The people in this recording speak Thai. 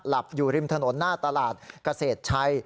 อยู่ริมถนนหน้าตลาดเกษตรชัย